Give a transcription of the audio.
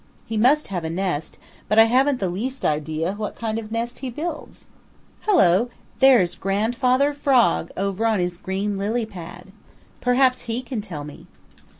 He must have a nest, but I haven't the least idea what kind of a nest he builds. Hello! There's Grandfather Frog over on his green lily pad. Perhaps he can tell me."